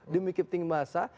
demi kipting bahasa